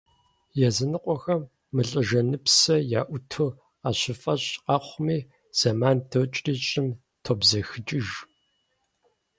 Языныкъуэхэм мылӀэжыныпсэ яӀуту къащыфӀэщӀ къэхъуми, зэман докӀри, щӀым тобзэхыкӀыж.